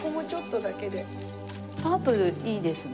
パープルいいですね。